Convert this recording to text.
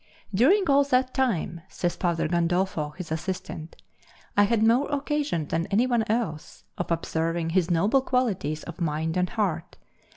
"During all that time," says Father Gandolfo, his assistant, "I had more occasion than anyone else of observing his noble qualities of mind and heart.